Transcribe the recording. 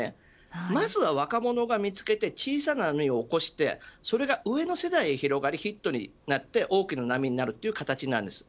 まずは若者が見つけて小さな波を起こしてそれが上の世代へ広がりヒットとなって大きな波となるという形です。